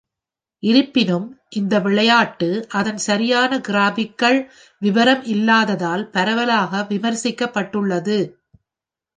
இருப்பினும், இந்த விளையாட்டு அதன் சரியான கிராப்பிக்கள் விவரம் இல்லாததால் பரவலாக விமர்சிக்கப்பட்டுள்ளது.